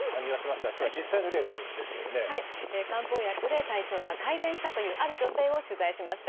漢方薬で体調が改善したというある女性を取材しました。